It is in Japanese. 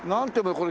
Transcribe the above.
これ。